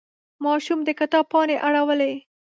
ماشوم د کتاب پاڼې اړولې.